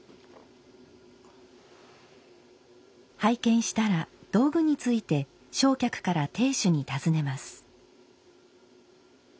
拝見したら道具について正客から亭主に尋ねます。